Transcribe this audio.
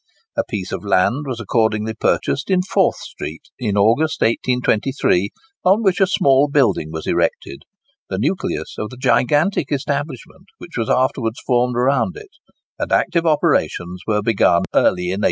A piece of land was accordingly purchased in Forth Street, in August, 1823, on which a small building was erected—the nucleus of the gigantic establishment which was afterwards formed around it; and active operations were begun early in 1824.